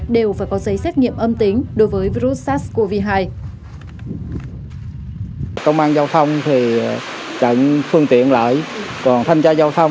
đều phải có giấy xét nghiệm âm tính đối với virus sars cov hai